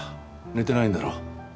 寝てないんだろう？